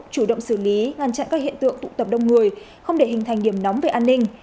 chủ động xử lý ngăn chặn các hiện tượng tụ tập đông người không để hình thành điểm nóng về an ninh